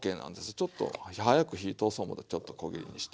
ちょっと早く火通そう思ってちょっとこぎれいにして。